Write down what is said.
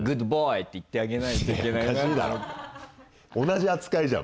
同じ扱いじゃん